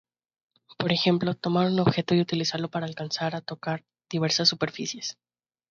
Por ejemplo, tomar un objeto y utilizarlo para alcanzar a tocar diversas superficies.